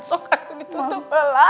sok aduh ditutup bella